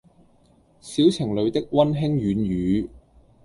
小情侶的溫馨軟語